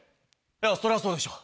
いやそりゃそうでしょ。